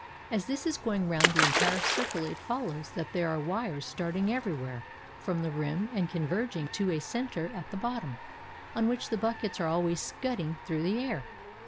As this is going on round the entire circle it follows that there are wires starting everywhere from the rim and converging to a center at the bottom, on which the buckets are always scudding through the air.